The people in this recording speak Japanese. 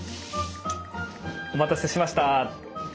お待たせしました。